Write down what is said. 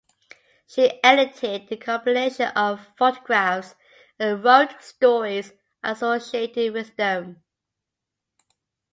She edited the compilation of photographs and wrote stories associated with them.